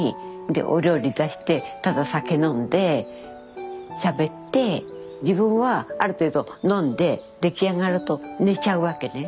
でお料理出してただ酒飲んでしゃべって自分はある程度飲んでできあがると寝ちゃうわけね。